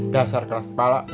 dasar keras kepala